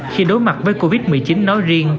khi đối mặt với covid một mươi chín nói riêng